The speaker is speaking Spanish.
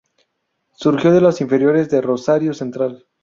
Surgió de las inferiores de Rosario Central.